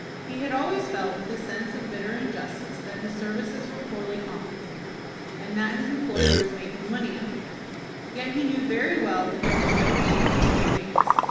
He had always felt with a sense of bitter injustice that his services were poorly compensated, and that his employer was making money out of him. Yet he knew very well that there was no chance of an advance.